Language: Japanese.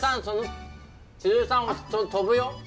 それ飛ぶよ。